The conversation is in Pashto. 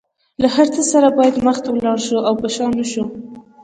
له هر څه سره باید مخ ته لاړ شو او په شا نشو.